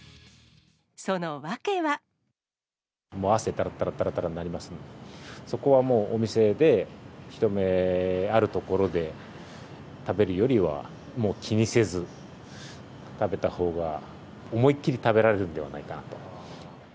だらだらだらだらになりますので、そこはもう、お店で、人目ある所で食べるよりは、もう気にせず食べたほうが、思いっ切り食べられるんではないかなと。